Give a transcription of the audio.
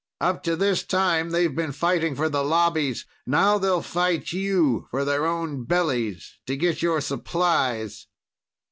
Up to this time, they've been fighting for the Lobbies. Now they'll fight you for their own bellies to get your supplies.